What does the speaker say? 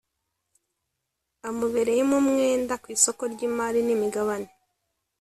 Amubereyemo mwenda ku isoko ry imari n imigabane